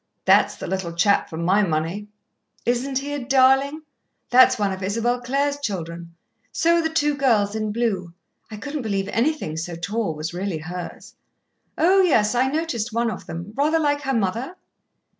"That's the little chap for my money." "Isn't he a darling? That's one of Isabel Clare's children so are the two girls in blue. I couldn't believe anything so tall was really hers." "Oh, yes I noticed one of them rather like her mother?"